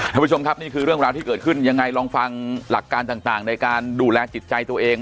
ท่านผู้ชมครับนี่คือเรื่องราวที่เกิดขึ้นยังไงลองฟังหลักการต่างในการดูแลจิตใจตัวเอง